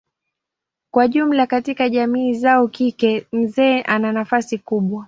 Kwa jumla katika jamii zao kike mzee ana nafasi kubwa.